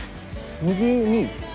右に。